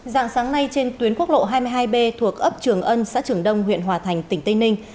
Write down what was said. dạng sáng nay trên tuyến quốc lộ hai mươi hai b thuộc ấp trường ân xã trường đông huyện hòa thành tỉnh tây ninh